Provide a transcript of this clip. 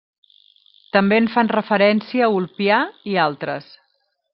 També en fan referència Ulpià i altres.